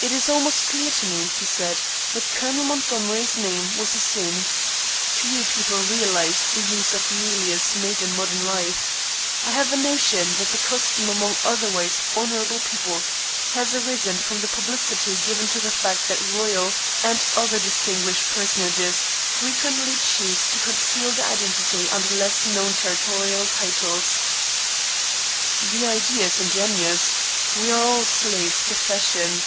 "It is almost clear to me," he said, "that Colonel Montgomery's name was assumed. Few people realize the use of the alias made in modern life. I have a notion that the custom among otherwise honorable people has arisen from the publicity given to the fact that Royal and other distinguished personages frequently choose to conceal their identity under less known territorial titles." "The idea is ingenious. We are all slaves to fashion."